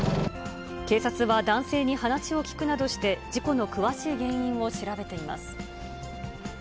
警察は男性に話を聴くなどして、事故の詳しい原因を調べています。